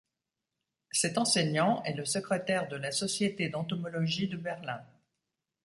Cet enseignant est le secrétaire de la Société d’entomologie de Berlin.